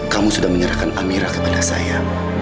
kamu sudah menyerahkan amirah kepada saya